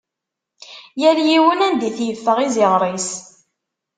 Yal yiwen anda it-yeffeɣ yiziɣer-is.